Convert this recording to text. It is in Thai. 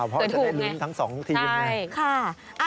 เป็นถูกไงใช่ค่ะ